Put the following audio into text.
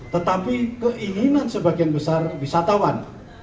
tetapi keinginan sebagian besar wisatawan